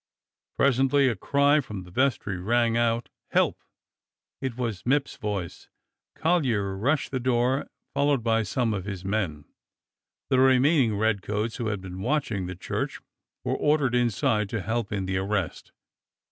Pres ently a cry from the vestry rang out: "Help!" It was Mipps's voice. Collyer rushed the door, followed by some of his men. The remaining redcoats who had been watching the church were ordered inside to help in the arrest.